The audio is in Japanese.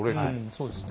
そうですね。